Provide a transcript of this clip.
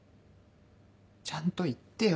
ちゃんと言ってよ